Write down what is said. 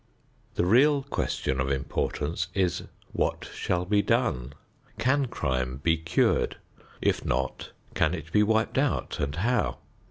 The real question of importance is: What shall be done? Can crime be cured? If not, can it be wiped out and how?